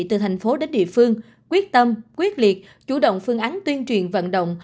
từ thành phố đến địa phương quyết tâm quyết liệt chủ động phương án tuyên truyền vận động